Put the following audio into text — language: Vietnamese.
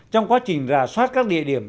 trong quá trình rà soát các địa điểm